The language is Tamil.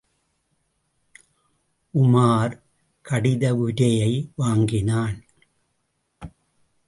உமார் கடித உரையை வாங்கினான்.